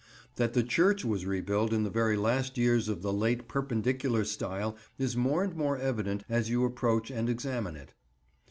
That the church was rebuilt in the very last years of the Late Perpendicular style is more and more evident as you approach and examine it.